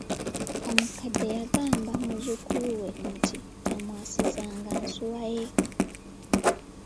Omukadde yagamba muzzukulu we nti tamwasizanga ensuwa ye.